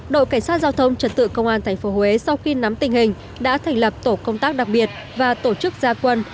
đội cảnh sát giao thông trật tự công an tp huế sau khi nắm tình hình đã thành lập tổ công tác đặc biệt và tổ chức gia quân